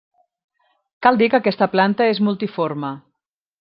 Cal dir que aquesta planta és multiforme.